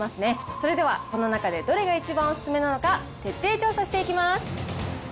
それでは、この中でどれが一番お勧めなのか、徹底調査していきます。